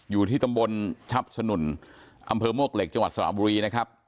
อยู่ที่ตำบลชับสนุนอำเภอมวกเหล็กจังหวัดสระบุรีนะครับ